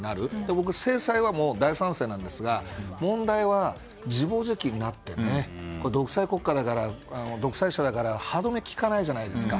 僕、制裁は大賛成なんですが問題は自暴自棄になって独裁国家だから独裁者だから歯止めがきかないじゃないですか。